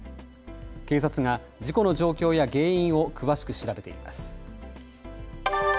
警察が事故の状況や原因を詳しく調べています。